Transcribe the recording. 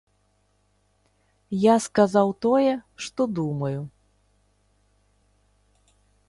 Я сказаў тое, што думаю.